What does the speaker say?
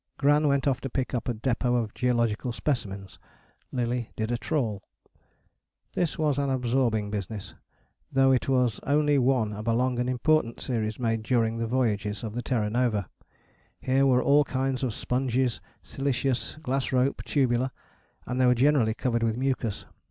Gran went off to pick up a depôt of geological specimens. Lillie did a trawl. This was an absorbing business, though it was only one of a long and important series made during the voyages of the Terra Nova. Here were all kinds of sponges, siliceous, glass rope, tubular, and they were generally covered with mucus.